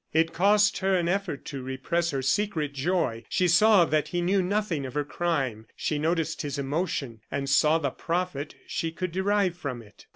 It cost her an effort to repress her secret joy. She saw that he knew nothing of her crime. She noticed his emotion, and saw the profit she could derive from it.